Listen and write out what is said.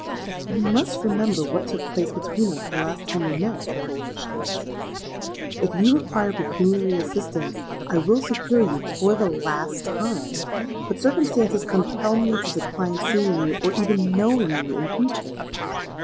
'—'You must remember what took place between us the last time we met,' she answered. 'If you require pecuniary assistance, I will succour you for the last time; but circumstances compel me to decline seeing you, or even knowing you in future.'